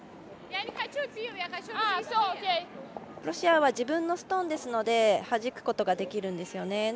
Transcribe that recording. ロシアは自分のストーンですのではじくことができるんですね。